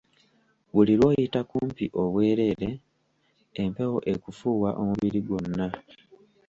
Buli lwoyita kumpi obwereere, empewo ekufuuwa omubiri gwonna.